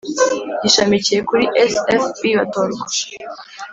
Gishamikiye kuri sfb batorwa